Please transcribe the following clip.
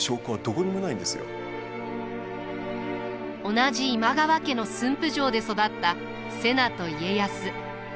同じ今川家の駿府城で育った瀬名と家康。